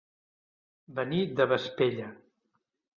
Venir de Vespella.